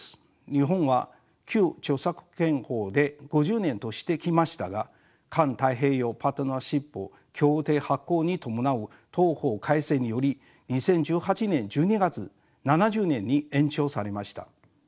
日本は旧著作権法で５０年としてきましたが環太平洋パートナーシップ協定発効に伴う同法改正により２０１８年１２月７０年に延長されました。